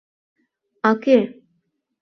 — А кӧ?